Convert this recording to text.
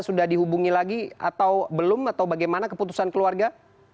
sudah dihubungi lagi atau belum atau bagaimana keputusan keluarga